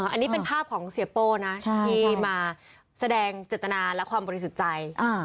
อันนี้เป็นภาพของเสียโป้นะที่มาแสดงเจตนาและความบริสุทธิ์ใจ